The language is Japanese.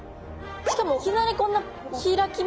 しかもいきなりこんな開きます？